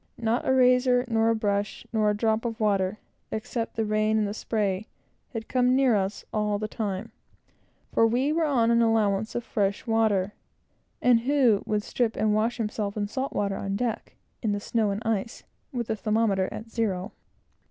Not a razor, nor a brush, nor a drop of water, except the rain and the spray, had come near us all the time; for we were on an allowance of fresh water; and who would strip and wash himself in salt water on deck, in the snow and ice, with the thermometer at zero?